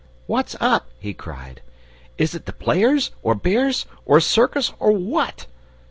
"What's up?" he cried. "Is it the players, or bears, or a circus, or what?"